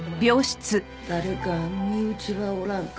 「誰か身内がおらんか？」